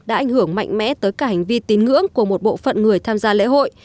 đã ảnh hưởng mạnh mẽ tới cả hành vi tín ngưỡng của một bộ phận người tham gia lễ hội